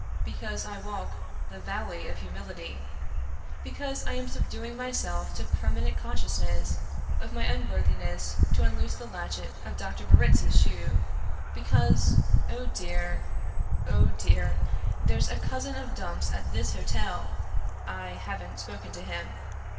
Because I walk the Valley of Humility. Be cause I am subduing myself to permanent consciousness of my unworthiness to unloose the latchet of Dr. Barritz's shoe. Because — oh, dear, oh, dear — there's a cousin of Dumps at this hotel! I haven't spoken to him.